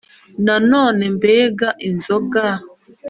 na none benga inzoga,